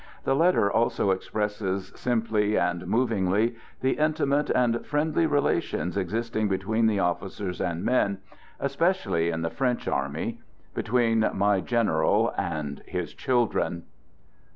The letter also expresses simply and movingly the intimate and friendly rela tions existing between the officers and men, espe cially in the French army; between "my general" and his 41 children."